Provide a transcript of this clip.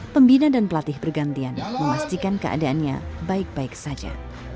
pembina dan pelatih bergantian memastikan keadaannya baik baik saja